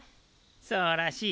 そうらしい。